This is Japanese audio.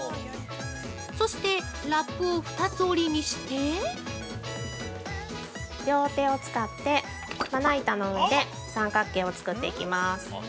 ◆そして、ラップを二つ折りにして◆両手を使って、まな板の上で三角形を作っていきます。